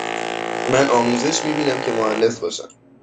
من آموزش می بینم که مهندس باشم.